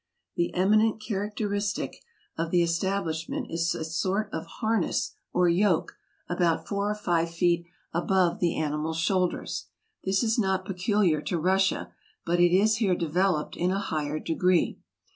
The eminent characteristic of the 238 TRAVELERS AND EXPLORERS establishment is a sort of harness or yoke, about four or five feet above the animal's shoulders. This is not peculiar to Russia, but it is here developed in a higher degree.